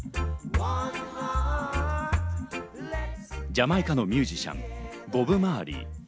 ジャマイカのミュージシャン、ボブ・マーリー。